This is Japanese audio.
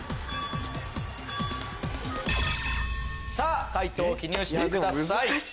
さぁ解答を記入してください。